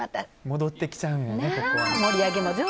戻ってきちゃうんやね。